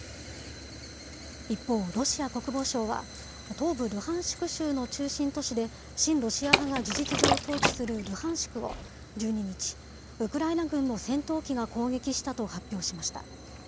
一方、ロシア国防省は、東部ルハンシク州の中心都市で親ロシア派が事実上統治するルハンシクを１２日、ウクライナ軍の戦闘機が攻撃したと発表しました。